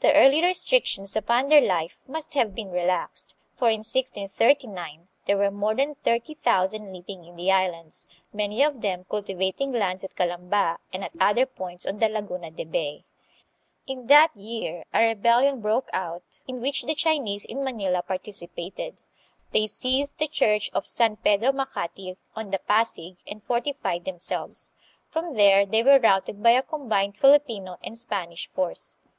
The early restrictions upon their life must have been relaxed, for in 1639 there were more than thirty thousand living in the Islands, many of them cultivating lands at Calamba and at other points on the Laguna de Bay. In that year a rebellion broke out, in which the Chinese in Manila participated. They seized the church of San Pedro Macati, on the Pasig, and fortified themselves. From there they were routed by a combined Filipino and Spanish force.